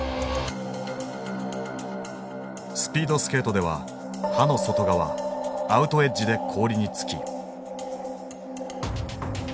スピードスケートでは刃の外側アウトエッジで氷に着き。